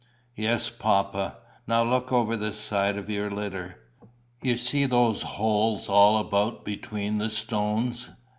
"Yes, papa." "Now look over the side of your litter. You see those holes all about between the stones?"